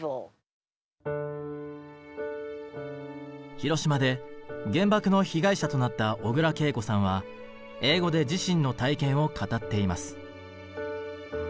広島で原爆の被害者となった小倉桂子さんは英語で自身の体験を語っています。